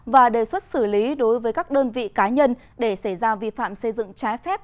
và đề xuất xử lý đối với các đơn vị cá nhân để xảy ra vi phạm xây dựng trái phép